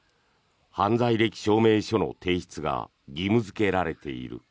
犯罪歴証明書の提出が義務付けられている。